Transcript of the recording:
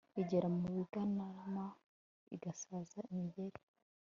igera mu bigarama, igasaza imigeri